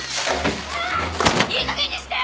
いいかげんにして！